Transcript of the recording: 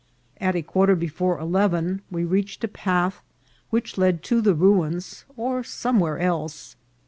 At a quarter before eleven we reached a path which led to the ruins, or somewhere else.